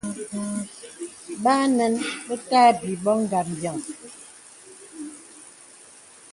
Bà ànəŋ be tà àbī bô ngambīaŋ.